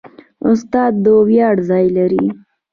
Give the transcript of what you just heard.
استاد د ویاړ ځای لري.